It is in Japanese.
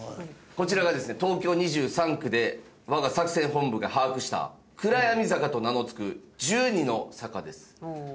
こちらがですね東京２３区で我が作戦本部が把握した暗闇坂と名の付く１２の坂です。